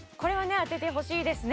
当ててほしいですねね